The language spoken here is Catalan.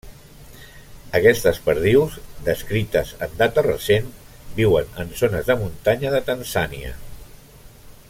Aquestes perdius, descrites en data recent, viuen en zones de muntanya de Tanzània.